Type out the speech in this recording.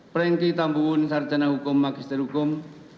prenki tambuhun sarjana hukum magister hukum